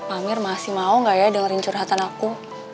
amir masih mau gak ya dengerin curhatan aku